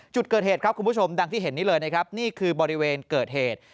จุดเกิดเหตุครับคุณผู้ชมดังที่เห็นนี้เลยนะครับนี่คือบริเวณเกิดเหตุ